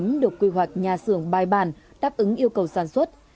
vốn được quy hoạch nhà xưởng bài bản đáp ứng yêu cầu sản xuất